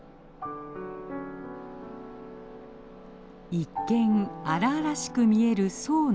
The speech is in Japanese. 一見荒々しく見える左右の自然。